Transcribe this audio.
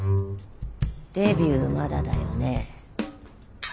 デビューまだだよね。